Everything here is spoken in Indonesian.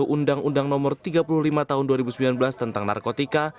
undang undang nomor tiga puluh lima tahun dua ribu sembilan belas tentang narkotika